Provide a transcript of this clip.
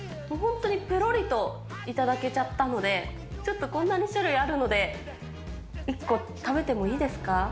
本当にぺろりと頂けちゃったので、ちょっとこんなに種類あるので、１個食べてもいいですか。